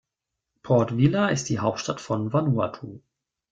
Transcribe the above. Port Vila ist die Hauptstadt von Vanuatu.